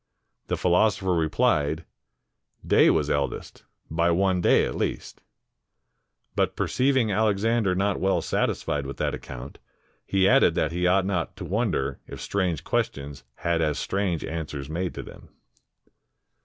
The philosopher repHed, "Day was eldest, by one day at least." But percei\ ing Alexander not well satisfied with that account, he added that he ought not to wonder if strange questions had as strange answers made to them.